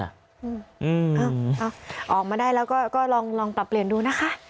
เอ้าออกมาได้แล้วก็ลองปรับเปลี่ยนดูนะคะ